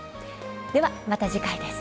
ではまた次回です。